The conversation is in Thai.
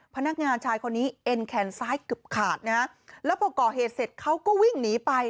พนักงานชายคนนี้เอ็นแขนซ้ายเกือบขาดนะฮะแล้วพอก่อเหตุเสร็จเขาก็วิ่งหนีไป